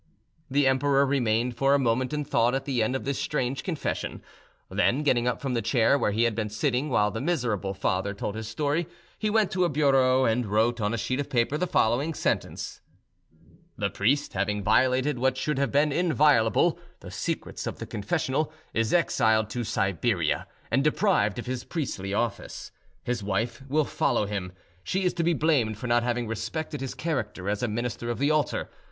The emperor remained for a moment in thought at the end of this strange confession; then, getting up from the chair where he had been sitting while the miserable father told his story, he went to a bureau, and wrote on a sheet of paper the following sentence: "The priest having violated what should have been inviolable, the secrets of the confessional, is exiled to Siberia and deprived of his priestly office. His wife will follow him: she is to be blamed for not having respected his character as a minister of the altar.